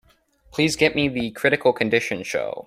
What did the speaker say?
Please get me the Critical Condition show.